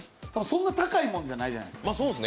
そんな高いもんじゃないじゃないですか。